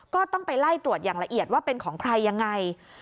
ก็ต้องไปไล่ตรวจอย่างละเอียดว่าเป็นของใครยังไง